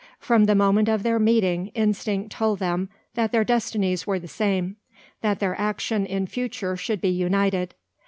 From the moment of their meeting, instinct told them that their destinies were the same, that their action in future should be united.